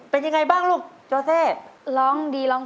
ไปยังไงบ้างครับคุณครูน้อย